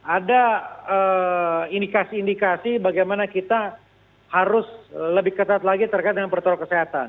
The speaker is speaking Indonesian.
ada indikasi indikasi bagaimana kita harus lebih ketat lagi terkait dengan protokol kesehatan